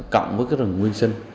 cộng với cái rừng nguyên sinh